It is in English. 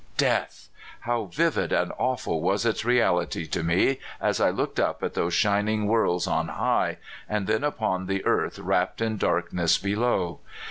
Death! how vivid and awful was its reahty to me as I looked up at those shining worlds on high, and then upon the earth wrapped in darkness below!